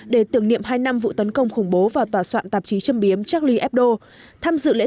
để tưởng niệm hai năm vụ tấn công khủng bố vào tòa soạn tạp chí châm biếm charlie edo tham dự lễ